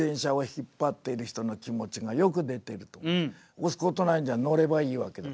押すことないんじゃん乗ればいいわけだから。